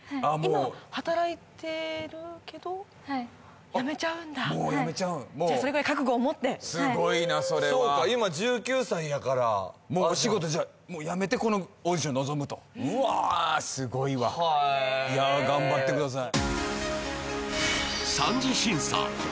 今働いてるけどはい辞めちゃうんだじゃあそれぐらい覚悟を持ってすごいなそれはそうか今１９歳やからもうお仕事じゃあ辞めてこのオーディションに臨むとうわすごいわいや頑張ってください